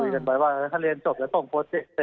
คุยกันบ่อยว่าถ้าเรียนจบแล้วต้องโพสต์เสร็จ